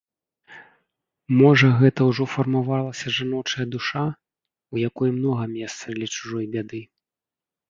Можа гэта ўжо фармавалася жаночая душа, у якой многа месца для чужой бяды.